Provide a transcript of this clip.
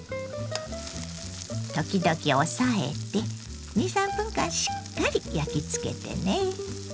時々押さえて２３分間しっかり焼きつけてね。